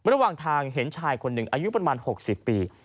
ระหว่างทางเห็นชายคนหนึ่งอายุประมาณ๖๐ปี